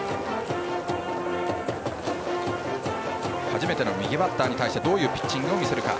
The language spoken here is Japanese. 初めての右バッターに対してどういうピッチングを見せるか。